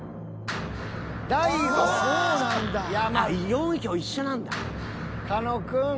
４票一緒なんだ。